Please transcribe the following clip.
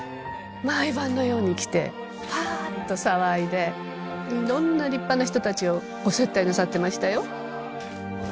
毎晩のように来てパーッと騒いで色んな立派な人達をご接待なさってましたよ